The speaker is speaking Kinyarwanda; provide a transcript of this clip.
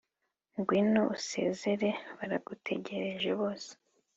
ngwino usezere baragutegereje bose